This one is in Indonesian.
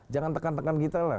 jangan tekan tekan kita lah